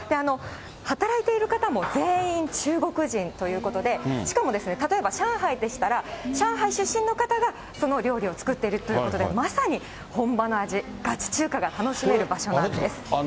働いている方も全員中国人ということで、しかも例えば上海でしたら、上海出身の方がその料理を作っているということで、まさに本場の味、ガチ中華が楽しめる場所なんです。